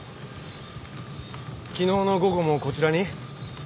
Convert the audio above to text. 昨日の午後もこちらに？